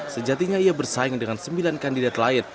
sejatinya ia bersaing dengan sembilan kandidat lain